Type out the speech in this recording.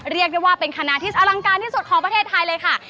เรียกได้ว่าเป็นคณะที่อลังการที่สุดของประเทศไทยเลยค่ะ